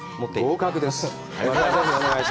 合格です。